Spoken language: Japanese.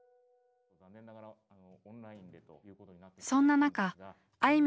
そんな中あ